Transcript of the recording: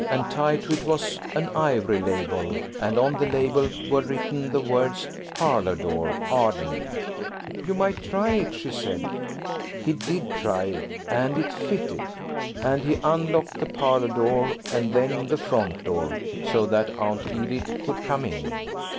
And tied to it was an ivory label, and on the label were written the words, "Parlour door, Arden." "You might try it," she said. He did try it. And it fitted. And he unlocked the parlour door and then the front door, so that Aunt Edith could come in.